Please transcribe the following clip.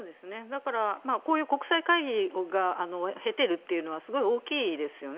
だから、こういう国際会議が、経てるっていうのは、すごい大きいですよね。